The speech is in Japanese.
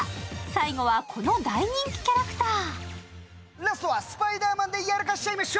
最後はこの大人気キャラクター。